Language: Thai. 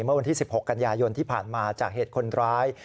เมื่อวันที่๑๖กันยายนที่ผ่านมาจากเหตุคนร้าย